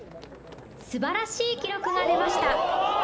すばらしい記録が出ました。